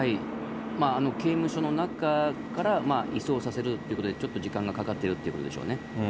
刑務所の中から移送させるっていうことで、ちょっと時間がかかってるってことでしょうね。